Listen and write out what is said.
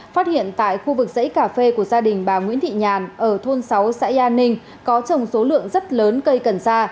phát hiện tại khu vực dãy cà phê của gia đình bà nguyễn thị nhàn ở thôn sáu xã yà ninh có trồng số lượng rất lớn cây cần sa